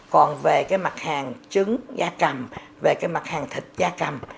còn về cái mặt hàng trứng da cầm về cái mặt hàng thịt da cầm